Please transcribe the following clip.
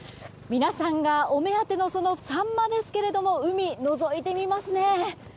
皆さんがお目当てのそのサンマですが海のぞいてみますね。